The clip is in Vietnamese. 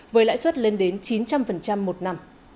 với lãi suất lên đến chín trăm linh triệu đồng